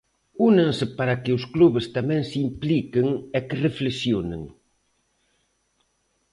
Únense para que os clubs tamén se impliquen e que reflexionen.